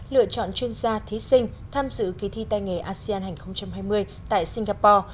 lựa chọn chuyên gia thí sinh tham dự kỳ thi tay nghề asean hai nghìn hai mươi tại singapore